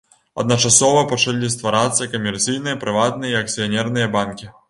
Адначасова пачалі стварацца камерцыйныя прыватныя і акцыянерныя банкі.